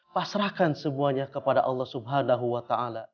pasrahkan semuanya kepada allah swt